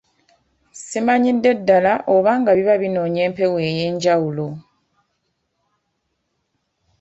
Simanyidde ddala oba nga biba binoonya empewo ey'enjawulo.